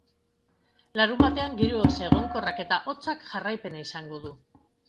Larunbatean giro ezegonkorrak eta hotzak jarraipena izango du.